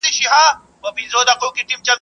o جامه په يوه گوته اوږده په يوه لنډه.